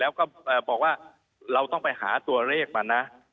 แล้วก็บอกว่าเราต้องไปหาตัวเลขมานะ